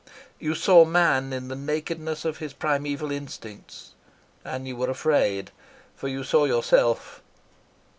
You saw man in the nakedness of his primeval instincts, and you were afraid, for you saw yourself."